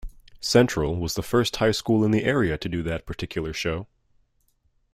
Central was the first High school in the area to do that particular show.